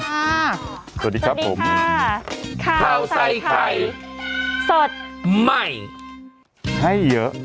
อ่าสวัสดีครับผมสวัสดีค่ะขาวใส่ไข่สดใหม่ให้เยอะ